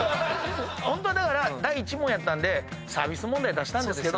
ホントは第１問やったんでサービス問題出したんですが。